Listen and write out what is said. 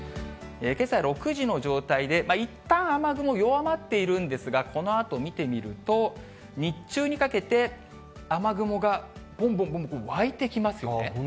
けさ６時の状態で、いったん雨雲弱まっているんですが、このあと見てみると、日中にかけて、雨雲がぼんぼんぼんぼん湧いてきますよね。